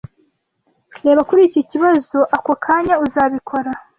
Reba kuri iki kibazo ako kanya, uzabikora?